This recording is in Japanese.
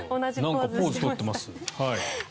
なんかポーズ取ってます。